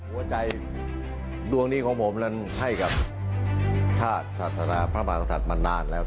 หัวใจดวงนี้ของผมนั้นให้กับชาติศาสนาพระมหากษัตริย์มานานแล้ว